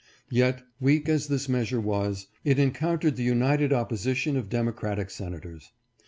Yet, weak as this measure was, it encountered the united opposition of democratic senators.